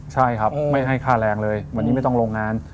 ใช่ครับไม่ให้ค่าแรงเลยวันนี้ไม่ต้องโรงงาน